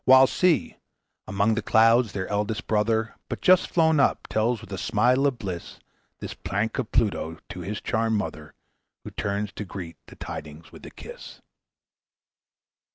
While see! among the clouds, their eldest brother, But just flown up, tells with a smile of bliss, This prank of Pluto to his charmed mother, Who turns to greet the tidings with a kiss."